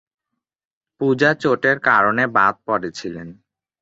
পূজা চোটের কারণে বাদ পড়েছিলেন।